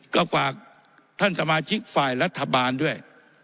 ก็ฝากท่านสมาชิกฝ่ายรัฐบาลด้วย